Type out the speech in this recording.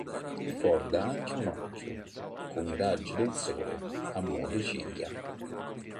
Ricorda anche un occhio, con i raggi del sole a mo' di ciglia.